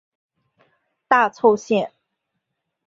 大凑线。